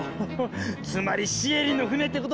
つまりシエリの船ってことね。